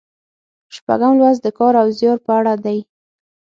شپږم لوست د کار او زیار په اړه دی.